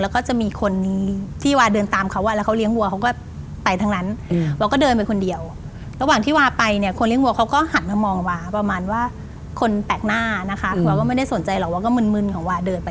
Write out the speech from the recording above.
ก็ไม่ได้สนใจหรอกดูววาก็มึนของวาเดินไปที่หลัง